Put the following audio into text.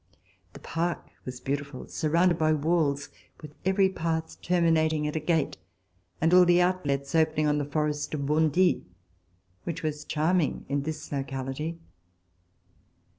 The park was beautiful, surrounded by walls, with every path terminating at a gate, and all the outlets opening on the forest of Bondy, which was charming in this locality.